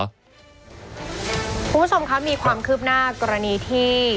คุณผู้ชมคะมีความคืบหน้ากรณีที่